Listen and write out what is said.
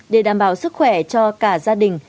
để đảm bảo sức khỏe cho cả gia đình